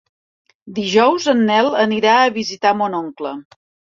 Dijous en Nel anirà a visitar mon oncle.